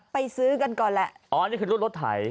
ซื้อกันก่อนแหละอ๋อนี่คือรุ่นรถไถ